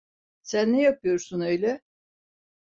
Sen ne yapıyorsun öyle?